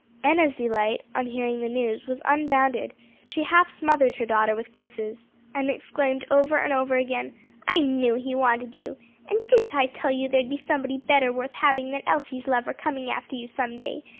Enna's delight on hearing the news was unbounded; she half smothered her daughter with kisses, and exclaimed over and over again, "I knew he wanted you! And didn't I tell you there'd be somebody better worth having than Elsie's lover coming after you some day?